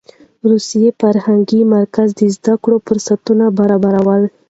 روسي فرهنګي مرکز د زده کړو فرصتونه برابرول.